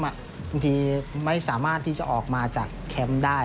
บางทีไม่สามารถที่จะออกมาจากแคมป์ได้